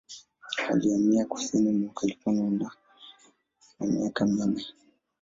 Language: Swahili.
Alihamia kusini mwa California akiwa na miaka minne.